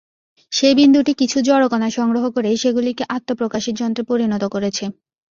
সেই বিন্দুটি কিছু জড়কণা সংগ্রহ করে সেগুলিকে আত্মপ্রকাশের যন্ত্রে পরিণত করেছে।